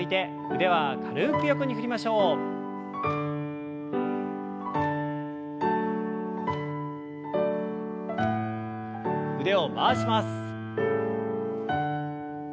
腕を回します。